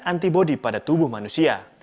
antibodi pada tubuh manusia